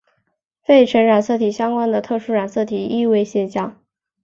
费城染色体相关的特殊染色体易位现象。